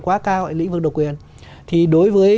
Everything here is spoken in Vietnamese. quá cao ở lĩnh vực độc quyền thì đối với